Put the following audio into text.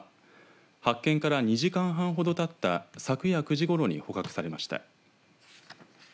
発見から２時間半ほどたった昨夜９時ごろに捕獲されました。